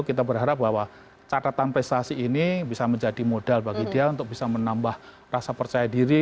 kita berharap bahwa catatan prestasi ini bisa menjadi modal bagi dia untuk bisa menambah rasa percaya diri